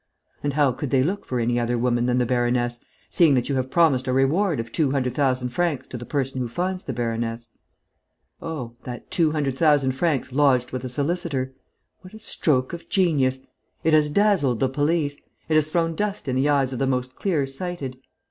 And how could they look for any other woman than the baroness, seeing that you have promised a reward of two hundred thousand francs to the person who finds the baroness?... Oh, that two hundred thousand francs lodged with a solicitor: what a stroke of genius! It has dazzled the police! It has thrown dust in the eyes of the most clear sighted!